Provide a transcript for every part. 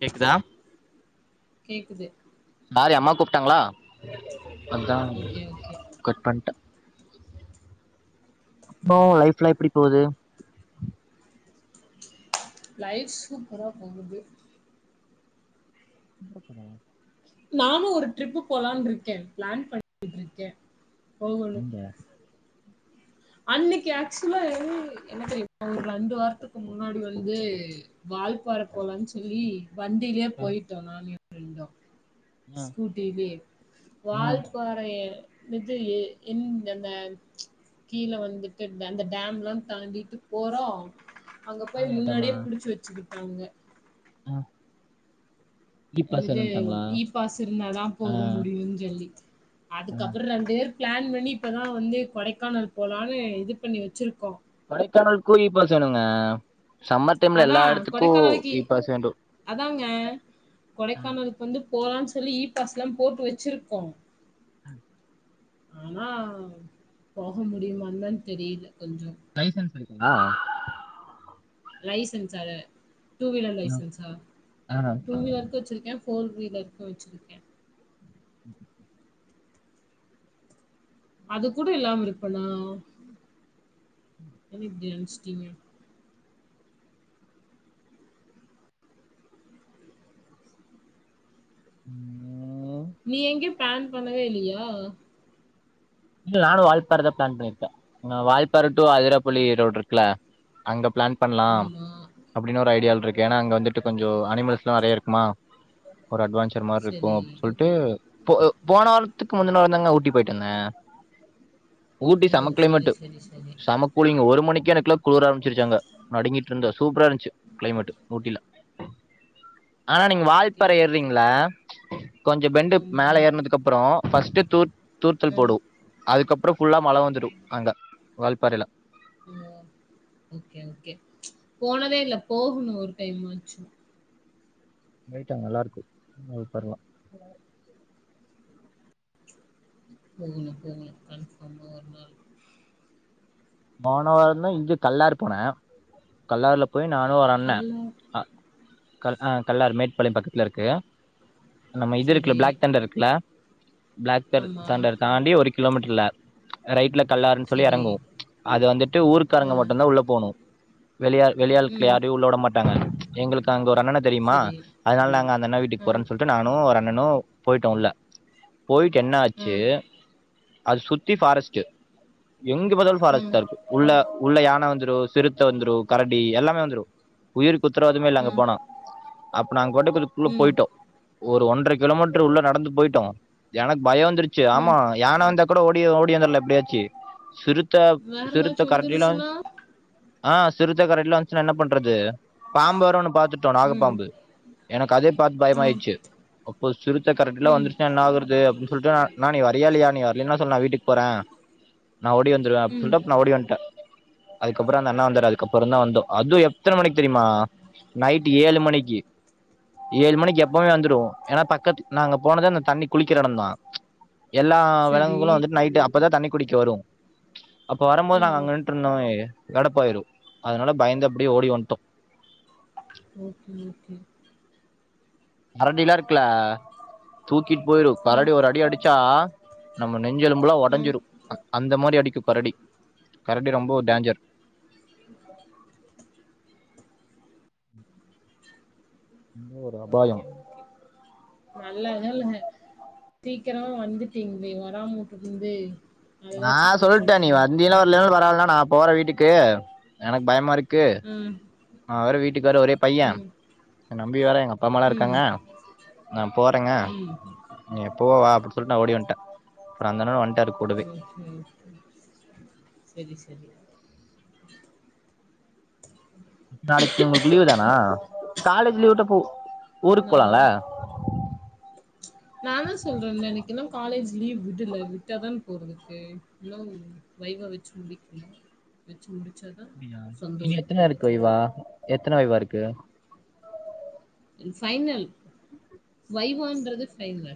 கேக்குதா கேக்குது மாரி அம்மா கூப்ட்டாங்களா அதா ஓகே ஓகே கட் பண்ட்ட அப்மா ஒ லைஃப்லா எப்டி போது லைஃப் சூப்பரா போகுது எங்கடா‌ போனா நானு ஒரு ட்ரிப்பு போலான்ட்ருக்கே ப்ளான் பண்ணிகிட்ருக்கே போகணு நீங்க அன்னக்கி ஆக்சுவலா என்ன தெரிமா ஒரு ரெண்டு வாரத்துக்கு முன்னாடி வந்து வால்பாற போலான் சொல்லி வண்டிலே போய்ட்டோ நானு எ ஃப்ரெண்டு ஆ ஸ்கூட்டிலயே ஆ வால் பாறை விஜய்யி இந் அந்த கீழவந்துட்டு அந்த டேம்லா தாண்டிட்டு போறோ அங்க போய் ஆயாட்டமா முன்னாடியே புடிச்சு வச்சுக்கிட்டாங்க ஆ இ பாஸ் என்னது வேணுன்ட்டாங்களா ஈ பாஸ் இருந்தாதா ஆ போக முடியுன் சொல்லி ஆ அதுக்கப்றந்து ப்ளான் பண்ணி இப்பதா வந்து கொடைக்கானல் போலான்னு இது பண்ணி வச்சுருக்கோ கொடைக்கானலுக்கும் ஈ பாஸ்ணுங்க சம்மர் டைம்ல அதா எல்லா இடத்துக்கும் கொடைக்கானலுக்கு ஈ பாஸீ வேண்டும் அதாங்க கொடைக்கானலுக்கு வந்து போறௌன் சொல்லி ஈ பாஸ் எல்லாம் போட்டு வச்சிருக்கோம் ம் ஆனா போக முடியுமான்ந்தா தெரில கொஞ்சோ லைசென்ஸ் இருக்கா லைசென்ஸாரு டூ வீலர் லைசென்ஸா டூ வீலர் த்து வச்சிருக்கே ஃபோர் வீலர்க்கு வச்சிருக்கே ம் அது கூட எல்லாம் இருப்பலா இப்படி நினச்சுட்டீங்க ம் நீ எங்கயோ பேன் பண்ணவே இல்லையா இல்ல நானும் வால்பாற தா பிளான் பண்ணியிருக்கேன் வால்பாற டு ஆதிரப்பள்ளி ரோடு இருக்குல அங்க பிளான் பண்லாம் ஆமா. அப்படின்னு ஒரு ஐடியாவ்ல இருக்கு ஏன்னா அங்க வந்துட்டு கொஞ்சம் அனிமல்ஸ்ல்லாம் நிறைய இருக்குமா ஒரு அட்வான்ஜ் ஜர் மாரி சரி. இருக்கும் அப்படின்னு சொல்லிட்டு போ போன வாரத்துக்கு முந்தின வாரொ தாங்க ஊட்டி போயட்டு வந்தேன் ஊட்டி ஓ! செம சரி, கிளைமேட்டு சரி, சரி. செம கூலிங் ஒரு மணிக்கு எனக்குல குளிர் ஆரம்பச்சிருச்சாங்க நடுங்கிட்டு இருந்தா சூப்பரா இருந்துச்சு கிளைமேட்டு ஊட்டில ஆனா நீங்க ஓகே, வால்பாற ஓகே. ஏறுறீங்களா கொஞ்சம் பெண்டு ஆமா. மேலே ஏறனதுக்கு அப்புறம் ஃபஸ்ட் தூத் தூர்த்தல் அ. போடும் அதுக்கப்புறம் ஃபுல்லா மழ வந்துரும் அங்க வால்ப்பாறைல ஓ ஓகே ஓகே போனதே இல்ல போகன்னனு ஒரு டைம்மாச்சும் பெயிட்டாங்க நல்லா இருக்கும்ளுக்கு வால்பாறல்லா போகணும் போகணும் கன்ஃபார்மா ஒரு நாள் போன வாரம்ந்தான் இங்கு கல்லார் போனே கல்லார்ல போய் நானும் ஒரு அண்ணே கல்ல கல் அ கல்லார் மேட்டு பாளையோ பக்கத்துல இருக்கு நம்ம இது இருக்குல சரி. பிளாக் தண்டர் இருக்குல்ல பிளாக் தட ஆமா. தண்டர் தாண்டி ஒரு கிலோமீட்டர்ல ரைட்ல கல்லாருன்னு சொல்லி சரி. இறங்குவோம் அது வந்துட்டு ஊருக்குறங்க அ. மட்டும் தான் உள்ள போனும் வெளியாள் வெளியாள்கள் ம். யாரையும் உள்ள விட மாட்டாங்க எங்களுக்கு அங்க ஒரு அண்ணன தெரியுமா சரி. அதனால நாங்க அந்தண்ணா வீட்டுக்கு அ. போறன் சொல்லி ட்டு நானும் ஒரு அண்ணனும் போயிட்டோம் உள்ள போயிட்டு என்னா அ. ஆச்சு அது சுத்தி ஃபாரஸ்ட் எங்க பாத்தாலு ஃபாரஸ் ம். உள்ள உள்ள யான வந்துரு சிறுத்த வந்துரு கரடி எல்லாமே வந்துரு உயிருக்கு குத்தரவாதமே இல்ல அங்க ம். போனா அப்ப நாங்க போட்டதுக்குள்ள ம். போயிட்டோம் ஒரு ஒன்ற கிலோமீட்டர் உள்ள நடந்து போயிட்டோம் எனக்கு பயம் வந்துருச்சு ம். ஆமா யானை வந்தா கூட ஓடி ஓடி யந்துரலா எப்படியாச்சு சிறுத்த வேற சிறுத்த ஏதாச்சும் கரடிலாம் வந்துருச்சுன்னா? ஆ சிறுத்த கரடியிலா வந்துச்சுன்னா என்ன பண்றது பாம்பு வேற ஒன்னு பாத்துட்டோம் ம். நாகப்பாம்பு எனக்கு அதே பாத்து ஆ. பயமாயிச்சு அப்போ சிறுத்த கரடில்லாம் ம். வந்துருச்சுன்னா என்ன ஆகுறது அப்படின் சொல்லிட்டு நா ன்னா நீ வரியா இலையா நீ வரலைன்ன சொல்லு நான் வீட்டுக்கு போறன் நான் ஓடி வந்துடுவேன் அப்படின் ம். சொல்லிட்டு அப்ப நா ஓடி வந்துட்டே அதுக்கப்புறம் அந்த அண்ணா வந்தாரு அதுக்கப்புறம தான் வந்தம் அதுவும் எத்தன மணிக்கு தெரியுமா நைட் ஏழு மணிக்கு ஏழு மணிக்கு எப்பவுமே வந்துருவோம் ஏன்னா பக்கத்து நாங்க போனத அந்த தண்ணி குளிக்கிற எடந்தான் எல்லா சரி. விலங்குகளும் வந்துட்டு நைட்டு அப்பதா தண்ணி குடிக்க வரும் அப்ப வரம்போது ஆ. நாங்க அங்க நின்ட்ருந்தோன்னு வையே கடப்போயிடும் அதனால பயந்து அப்படியே ஓடி வந்துட்டோம் ஓகே ஓகே கரடில்லாம் இருக்குல தூக்கிட்டு போயிரும் ம் கரடி ஒரு அடி அடிச்சா நம்ம நெஞ்செலும்புலா ம் ஒடஞ்சிரும் அந்த மாதிரி அடிக்கும் கரடி கரடி ரொம்போ டேஞ்சர் என்ன ஒரு அபாயோ ஓகே ஓகே நல்ல வேலங்க தீக்கரமா வந்துட்டீங்ளே வராம உட்டுருந்தே நா சொல்ட்ட நீ வந்திய்லா உ லெவல் வரால்னா நா போற வீட்டுக்கு எனக் பயமா இருக் க்கு ம் நா வேற வீட்டுக் வேற ஒரே பைய ம் எ நம்பி வேர எங் அப்பா அம்மாலா ம் இருக்காங்க நா போறேங்க ம் நீ எப்பவும் வா அப்டி சொல்லிட்டு நான் ஓடி வந்துட்டன் அப்புறம் அந்தண்ணனும் வந்துட்டாரு கூடவே செரி செரி செரி நாளைக்கி உங்கள்க் லீவ் தானா காலேஜ் லீவிட்டா போ ஊருக்கு நார் போலாம்ல நா தா சொல்றல்ல எனக்கு இன்னும் காலேஜ் லீவ் விடுல விட்டாதன் போறதுக்கே இவ்ளோ இது வைவா வெச்ரும் வீக் குள்ள வெச்சு முடிச்சாதா அப்டியா சொந்த இனி ஊருக் எத்தன இருக்கு போறத்துக்கு வைவா எத்தன வைவா இருக்கு என் சைனல் வைவான்றது சைன்ல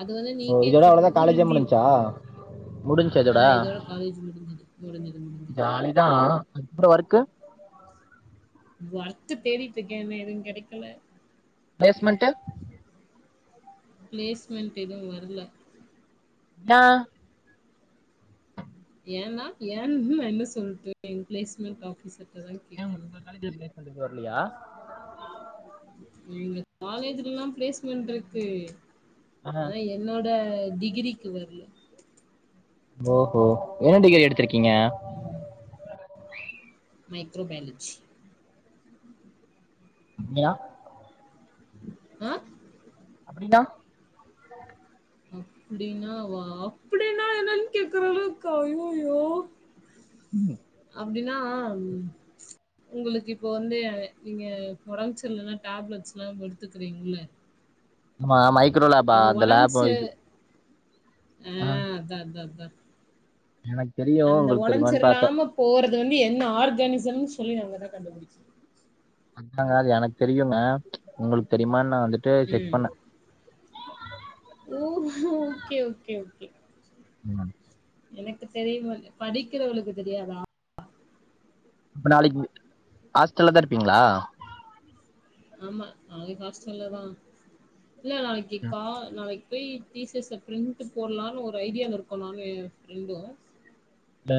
அது வந்து நீ ஓ இதோட கேக்றது அவ்ளோதா வந்து காலேஜே ரிவ்யூ முடிஞ்ச்சா ஆ இதோட காலேஜ் முடிஞ்சுது முடிஞ்சுது முடிஞ்சுது ப்றோ வர்க்கு வர்த்து தேடிட்ருக்கே வே எதுன் கெடைக்கல பேஸ்மெண்ட்டு ப்ளேஸ்மெண்ட் எதுவு வர்ல டா ஏன்னா ஏன்னு நா என்ன சொல்ட்டு எங் ப்ளேஸ்மெண்ட் ஆஃபீசர்ட்டதா கேக்கணு காலேஜர்ஸ் ப்ளேஸ்மென்ட் எது வர்லியா எங்க காலேஜ்ஜல்லா ப்ளேஸ்மெண்ட்ருக்கு அனா எ என்னோட டிகிரிக்கு வர்ல ஓஹோ என்ன டிகிரி எடுத்திருக்கீங்க ம் மைக்ரோபயால ச்சி இங்கயா அ அப்டினா அப்புடின்னா வாஆப் ப்டின்னா என்னன் கேக்குறதுளுக்கா அயோயோ ம் அப்டின்னா உம் உங்களுக்கு இப்போ வந்துயே நீங்க கொரன்ச் இல்லல டேப்லெட்ஸ்லாம் எடுத்துக்றீங்ள ஹமா மைக்ரோ லேபா அந்த உடம்பு லேபோ சரி இது ஆ அத்தா அத்தா த்தா எனக் அந்த ஒடம் சரிலாம போறது வந்து என்ன ஆர்கானிசம் சொல்லி நாங்கதா கண்டுபிடிச்சி அத்தாங்க அது எனக் தெரியுங்க உங்களுக் தெரியுமான்னா வந்து ம் ஊஹு ஓகே ஓகே ஓகே ம் எனக்கு தெரியுமோது படிக்கிறவளுக்கு தெரியாதா இப்ப நாளைக்கி ஹாஸ்டல்லதா இருப்பீங்ளா ஆமா நாவே ஹாஷ்டல்லதா இல நாளைக்கி கா நாளைக் போய் டீசர்ஸ ப்ரிண்ட்டு போட்லானு ஒரு ஐடியாவ இர்க்கோ நாங்க எ ஃப்ரெண்டு ட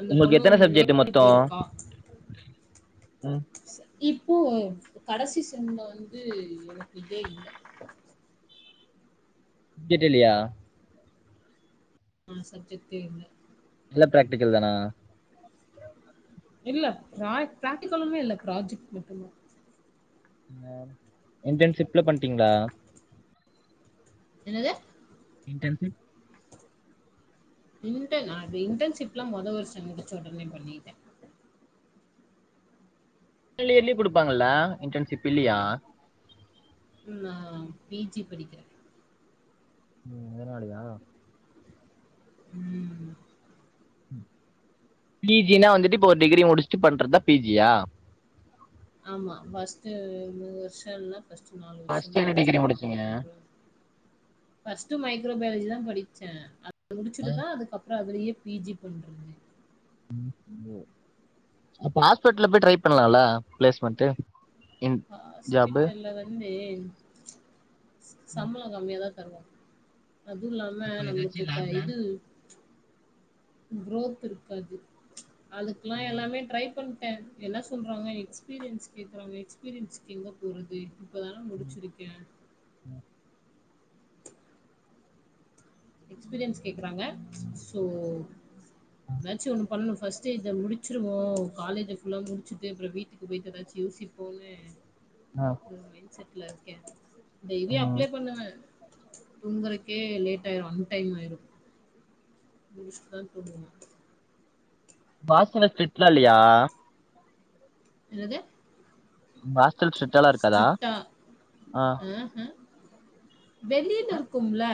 அந்த உங்களுக்கு பொண்ணு எத்தன சப்ஜெட்டு நேர்ல மொத்தோ போயிருக்கா ம் இப்போ கடைசி செம்ல வந்து எனக்கு இதே இல்ல ஜெக்ட்டே இல்லயா ஆ சப்ஜெக்டே இல்ல எல்லா பிராக்டிகல் தானா இல்ல பிரா பிராக்டிகலுமே இல்ல பிரோஜக்ட் மட்டுதா பிங்க் இன்டர்ன்ஷிப்லா பண்ட்டீங்களா என்னது இன்டர்ன்ஷிப் இன்டர்ன் அது இன்டர்ன்ஷிப்லா மொத வருஷ முடிச்ச ஒடனே பண்ணிட்டே த இயர்லயே கொடுப்பாங்கல்லா இன்டர்ன்ஷிப் இல்லயா நா பி ஜி படிக்கிறே ம் அதனாலயா ம் பி ஜினா வந்துட்டு இப்ப ஒரு டிகிரி முடிச்ட்டு பண்றதா பி ஜியா ஆமா ஃபர்ஸ்ட்டு மூனு வருஷ இல்ல ஃபர்ஸ்ட்டு நாலு வருஷ ஃபர்ஸ்ட் என்ன டிகிரி படிச்சுட்டு முடிச்சீங்க அதுக்கப்புறோ ஃபர்ஸ்ட்டு மைக்ரோபயாலஜி தா படிச்சே அது முடிச்சுட்டுதா அதுக்கப்புறோ அதுலேயே பி ஜி பண்ட்ருக்க ம் ஒ அப்ப ஹாஸ்பிட்டல்ல போய் ட்ரை பண்லால பிளேஸ்மெண்ட்டு ஹாஸ்பிட்டல்ல வந்து சம்பள கம்மியாாதா தருவாங்க அதுவு இல்லாம அப்ப நம்மளுக் ஏதாச்சும் க லேப்ல இது கீரோத் இருக்காது அதுக்குல்லா எல்லாமே ட்ரை பண் டே எல்லா சொல்றாங்க எக்ஸ்பீரியன்ஸ் கேக்குறாங்க எக்ஸ்பீரியன்ஸ்க்கு எங்கே போறது இப்போதானே முடிச்சிருக்கே எக்ஸ்பீரியன்ஸ் கேக்குறாங்க சோ எதாச்சு ஒண்ணு பண்ணு ஃபர்ஸ்ட இத முடிச்சிருவோ காலேஜ ஃபுல்லா முடிச்சுட்டு அப்புற வீட்டுக் கு போயட்டு எதாச்சு யோசிப்போனு ஆ ஒரு மைண்ட் செட்ல இருக்கே டெய்லி ம் அப்ளை பண்ணுவே தூங்குறக்கே லேட் டாயிரு அன் டைம் ஆயிரு இங்கிஷ்தா தோன்றுமா பாசெல்லா ஸ்டிட்லா இல்லயா என்னது உங்க ஹாஸ்டல் ஸ்ட்ரிக்டாலாம் இருக்காதா ஸ்ட்ரிக்டா ஆ ஆஹ வெளியில இருக்கும்ல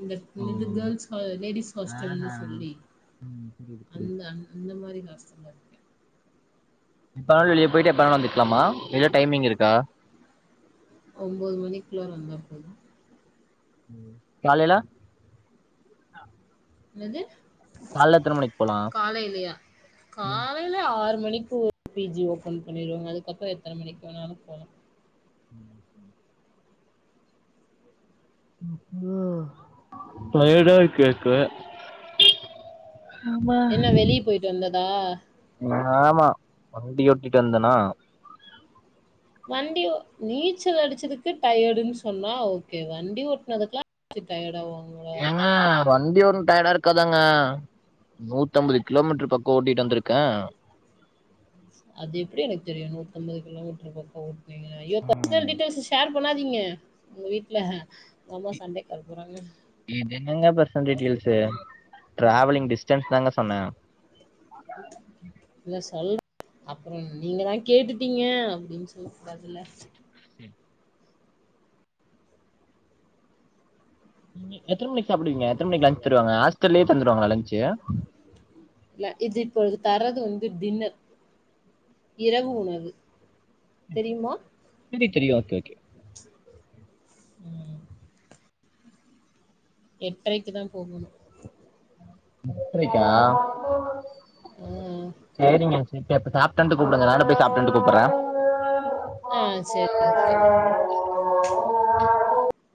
இந்த இது ம் கேர்ள்ஸ் ஹ லேடிஸ் ஹாஸ்டல்ன்னு ஆஹா சொல்லி ம் புரியுது புரியுது அந்த அந்த மாரி காஸ்டல் அது எப்ப வேணாலு போயிட்டு எப்ப வெணாலு வந்துக்லாமா எதா டைமிங் இருக்கா ஒம்பொது மணிக்குள்ள வந்தா போது ம் காலைல என்னது கால்ல எத்தன மணிக்கு போலா காலைலயா கா லைல ஆறு மணிக்கு ஒ பி ஜி ஓப்பன் பண்ணிடுவாங்க அதுக்கப்புற எத்தன மணிக்கு வேணாலு போலா ம் இப்பு டயர்டா இருக்கே இப்ப என்ன வெளியே போயிட்டு வந்ததா ஆமா வண்டி ஓட்டிட்டு வந்தேனா வண்டி ஒ நீச்சல் அடிச்சதுக்கு டயர்டுன் சொன்னா ஓகே வண்டி ஓட்னதுக்குல்லா டி ட்யர்டாவாங் ஏங்க வண்டி ஓட்டுனா டயர்டா இருக்காதாங்க நூத்தம்பது கிலோமீட்டரு பக்கோ ஓட்டிட்டு வந்திருக்க அது எப்படி எனக்கு தெரியு நூத்தம்பது கிலோமீட்டர் பக்கோ ஓட்டனீங்க ஐயோ பர்சனல் டீட்டெயில்ஸ்ஸ ஷேர் பண்ணாதீங்க உங்க வீட்டு்ல அம்மா சண்டைக்கு வர போறாங்க இது என்னங்க பர்சனல்டீட்டெய்ல்ஸ்ஸு ட்ராவலிங் டிஸ்டன்ஸ் தாங்க சொன்னே ஆ இல்ல சொல் அப்பறோ நீங்க தா கேட்டுட்டீங்க அப்டின்னு சொல்ல கூடாதுல்ல எ எத்தன மணிக்கு சாப்டுவிங்க எத்தன மணிக்கு லன்ச்சு தருவாங்க ஹாஸ்டல்லயே தந்துருவாங்களா லன்ச்சு இல்ல இது இப்பொழுது தரது வந்து டின்னர் இரவு உணவு தெரியுமா [unintelligible] தெரியா ஓகே ஓகே எட்ரைக்கு தா போகணு எட்டரைக்கா ம் சேரிங்க சிஸ்டர் இப்ப சாப்ட்டு வந்து கூப்டுங்க நானு போய் சாப்ட்டு வந்து கூப்பட்ற ஆ சரி ஓகே